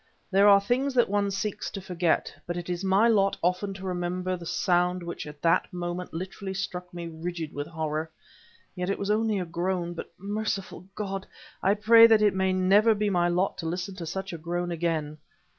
There are things that one seeks to forget, but it is my lot often to remember the sound which at that moment literally struck me rigid with horror. Yet it was only a groan; but, merciful God! I pray that it may never be my lot to listen to such a groan again.